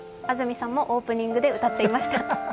安住さんもオープニングで歌っていました。